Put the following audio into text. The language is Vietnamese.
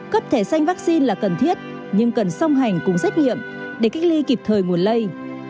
cấp thẻ xanh vaccine là cần thiết nhưng cần song hành cùng xét nghiệm để cách ly kịp thời nguồn lây